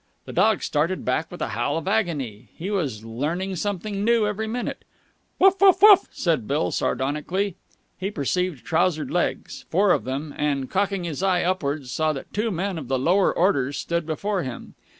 The dog started back with a howl of agony. He was learning something new every minute. "Woof woof woof!" said Bill sardonically. He perceived trousered legs, four of them, and, cocking his eye upwards, saw that two men of the lower orders stood before him.